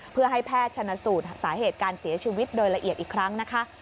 เพื่อให้แพทย์ชนสูตรสาเหตุการเสียชีวิตโดยละเอียดอีกครั้งนะคะ